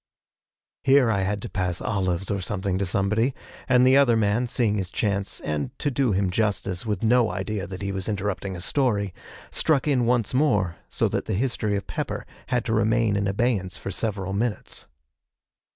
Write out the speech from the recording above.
Here I had to pass olives or something to somebody, and the other man, seeing his chance, and, to do him justice, with no idea that he was interrupting a story, struck in once more, so that the history of Pepper had to remain in abeyance for several minutes.